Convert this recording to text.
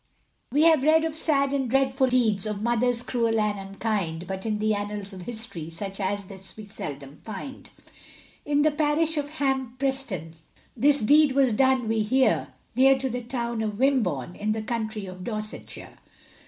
We have read of sad and dreadful deeds Of mothers cruel and unkind, But in the annals of history Such as this we seldom find; In the parish of Hampreston, This deed was done we hear, Near to the town of Wimborne, In the county of Dorsetshire.